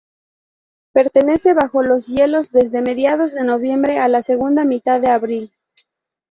Permanece bajo los hielos desde mediados de noviembre a la segunda mitad de abril.